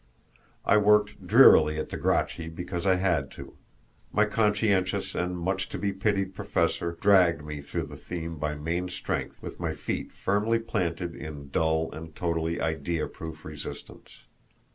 I worked drearily at the Gracchi because I had to; my conscientious and much to be pitied professor dragging me through the theme by main strength, with my feet firmly planted in dull and totally idea proof resistance.